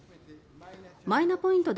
マイナポイント